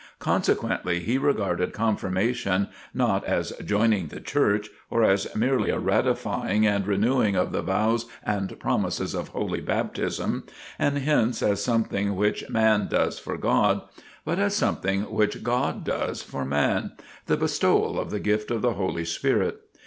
Consequently he regarded Confirmation, not as "joining the Church," or as merely a ratifying and renewing of the vows and promises of Holy Baptism, and hence as something which man does for God; but as something which God does for man, the bestowal of the gifts of the Holy Spirit.